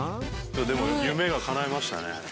でも夢がかないましたね。